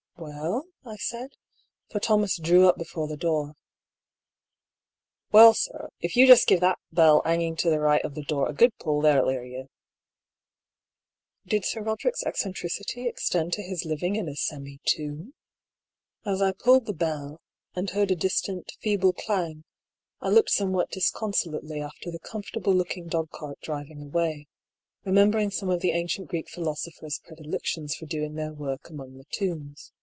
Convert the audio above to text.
" Well? " I said, for Thomas drew up before the door. " Well, sir, if you just give that bell hanging to the right of the door a good pull, they'll hear you." Did Sir Roderick's eccentricity extend to his living in a semi tomb? As I pulled the bell, and heard a distant, feeble clang, I looked somewhat disconsolately 8 28 DR. PAULL'S THEORY. after the comfortable looking dogcart driving away, remembering some of the ancient Greek philosophers' predilections for doing their work among the tombs.